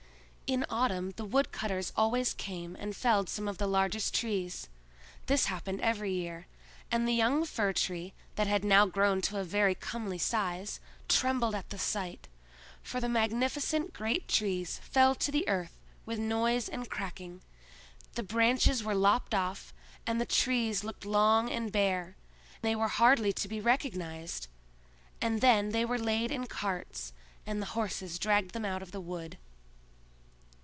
In autumn the woodcutters always came and felled some of the largest trees. This happened every year; and the young Fir tree, that had now grown to a very comely size, trembled at the sight; for the magnificent great trees fell to the earth with noise and cracking, the branches were lopped off, and the trees looked long and bare: they were hardly to be recognized; and then they were laid in carts, and the horses dragged them out of the wood.